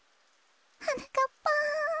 はなかっぱん。